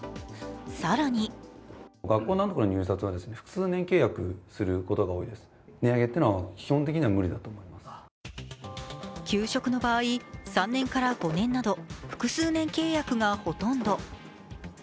更に給食の場合、３年から５年など複数年契約がほとんど。